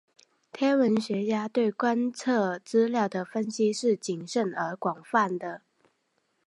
天文学家对观测资料的分析是谨慎而广泛的。